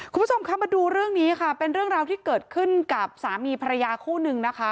คุณผู้ชมคะมาดูเรื่องนี้ค่ะเป็นเรื่องราวที่เกิดขึ้นกับสามีภรรยาคู่นึงนะคะ